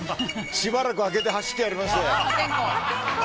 しばらく開けて走ってやりましたよ。